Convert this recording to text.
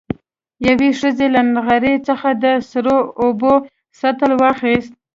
يوې ښځې له نغري څخه د سرو اوبو سطل واخېست.